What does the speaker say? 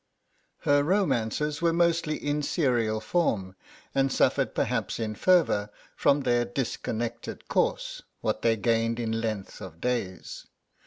Her romances were mostly in serial form and suffered perhaps in fervour from their disconnected course what they gained in length of days.